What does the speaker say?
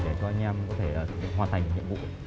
để cho anh em có thể hoàn thành nhiệm vụ